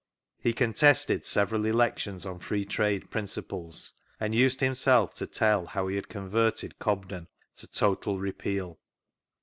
He contested several elections on Free Trade principles, and used himself to tell how he had converted Cobden to " total repeal."